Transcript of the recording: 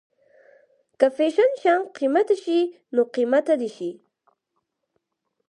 که فیشن شيان قیمته شي نو قیمته دې شي.